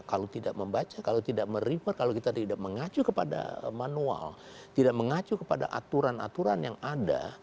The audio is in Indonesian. kalau tidak membaca kalau tidak mereport kalau kita tidak mengacu kepada manual tidak mengacu kepada aturan aturan yang ada